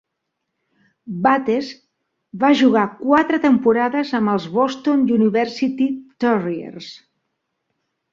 Bates va jugar quatre temporades amb els Boston University Terriers.